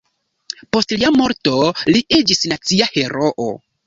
Post lia morto li iĝis nacia heroo.